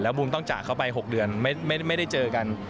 บูมต้องจากเขาไป๖เดือนไม่ได้เจอกัน